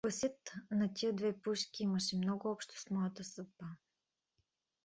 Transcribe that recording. Гласът на тия две пушки имаше много общо с моята съдба.